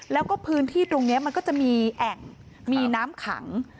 แล้วก็พื้นที่ตรงนี้มันก็จะมีแอ่งมีน้ำขัง